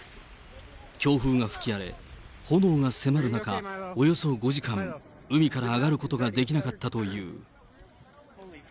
強風が吹き荒れ、炎が迫る中、およそ５時間、海から上がることができなかったという。